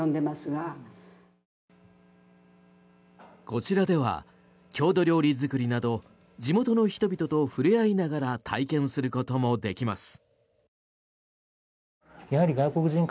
こちらでは郷土料理作りなど地元の人々と触れ合いながら体験することもできます。